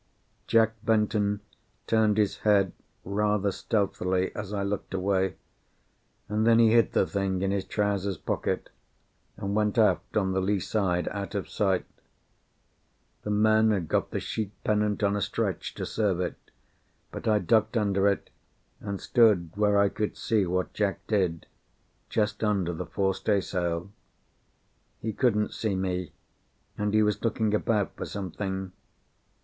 Jack Benton turned his head rather stealthily as I looked away, and then he hid the thing in his trousers pocket, and went aft on the lee side, out of sight. The men had got the sheet pennant on a stretch to serve it, but I ducked under it and stood where I could see what Jack did, just under the fore staysail. He couldn't see me, and he was looking about for something.